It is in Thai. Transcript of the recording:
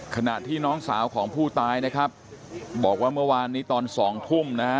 ขณะที่น้องสาวของผู้ตายนะครับบอกว่าเมื่อวานนี้ตอน๒ทุ่มนะฮะ